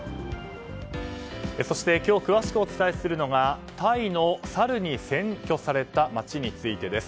そして今日詳しくお伝えするのがタイのサルに占拠された街についてです。